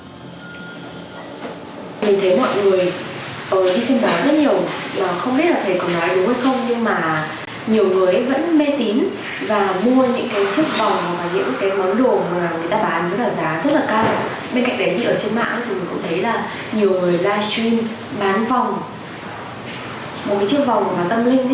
nhiều người livestream bán vòng một chiếc vòng bằng tâm linh